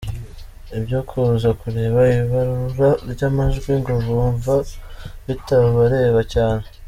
Ibyo kuza kureba ibarura ry’amajwi ngo bumva bitabareba cyane.